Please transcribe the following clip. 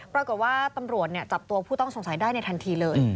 ปรากฏว่าตำรวจจับตัวผู้ต้องสงสัยได้ในทันทีเลย